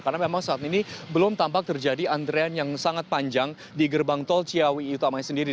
karena memang saat ini belum tampak terjadi antrean yang sangat panjang di gerbang tol ciawi utamanya sendiri